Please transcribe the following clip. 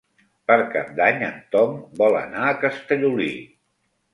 Per Cap d'Any en Tom vol anar a Castellolí.